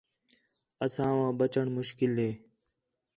اساواں بچّݨ مُشکل ہِے